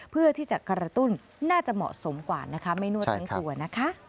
เพื่อที่จะกระตุ้นน่าจะเหมาะสมกว่านะคะไม่นวดทั้งตัวนะคะ